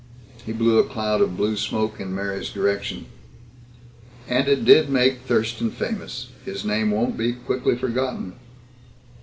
He blew a cloud of blue smoke in Mary's direction. "And it did make Thurston famous. His name won't be quickly forgotten."